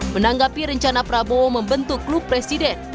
menanggapi rencana prabowo membentuk klub presiden